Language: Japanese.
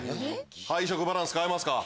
配色バランス変えますか。